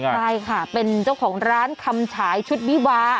ใช่ค่ะเป็นเจ้าของร้านคำฉายชุดวิวา